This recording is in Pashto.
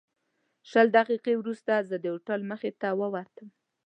شل دقیقې وروسته زه د هوټل مخې ته ووتم.